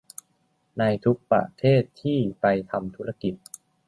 ในทุกประเทศที่ไปทำธุรกิจ